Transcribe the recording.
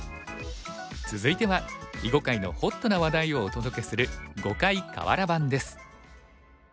続いては囲碁界のホットな話題をお届けする「碁界かわら盤」です。